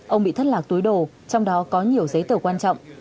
ông bị thất lạc túi đồ trong đó có nhiều giấy tờ quan trọng